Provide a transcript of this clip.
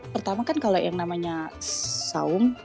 pertama kan kalau yang namanya saung